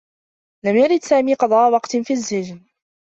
لم يرد سامي قضاء وقت في السّجن.